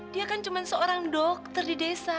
dia hanya seorang dokter di desa